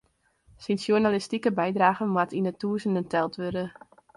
Syn sjoernalistike bydragen moat yn de tûzenen teld wurde.